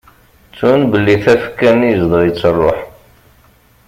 Ttun belli tafekka-nni izdeɣ-itt rruḥ.